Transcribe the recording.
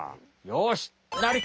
よし！